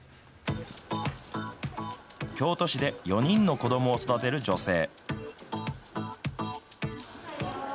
京都市で４人の子どもを育てる女性。